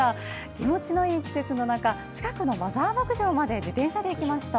気持ちのいい季節の中近くのマザー牧場まで自転車で行きました。